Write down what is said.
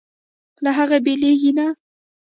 له هغې بېلېږي نه.